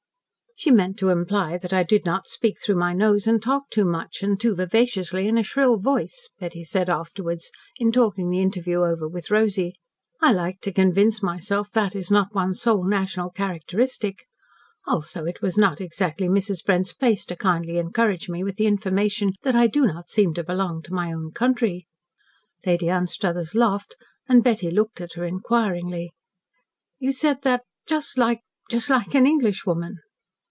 "She meant to imply that I did not speak through my nose, and talk too much, and too vivaciously, in a shrill voice," Betty said afterwards, in talking the interview over with Rosy. "I like to convince myself that is not one's sole national characteristic. Also it was not exactly Mrs. Brent's place to kindly encourage me with the information that I do not seem to belong to my own country." Lady Anstruthers laughed, and Betty looked at her inquiringly. "You said that just like just like an Englishwoman."